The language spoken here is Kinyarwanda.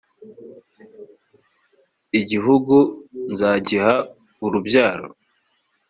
igihugu nzagiha urubyaro